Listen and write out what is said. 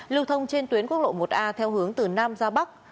lưu thông trên tuyến quốc lộ một a theo hướng từ nam ra bắc